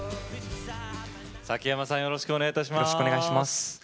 崎山さんよろしくお願いします。